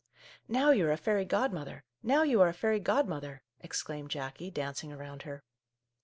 " Now you are a fairy godmother ! Now you are a fairy godmother !" exclaimed Jackie, dancing around her.